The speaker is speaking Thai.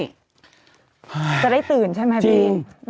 สมูรณ์จะได้ตื่นใช่ไหมพี่